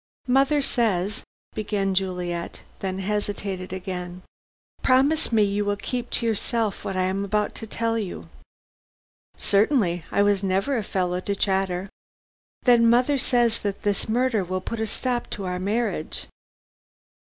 "Mother says " began Juliet, then hesitated again. "Promise me you will keep to yourself what I am about to tell you." "Certainly. I never was a fellow to chatter." "Then mother says that this murder will put a stop to our marriage."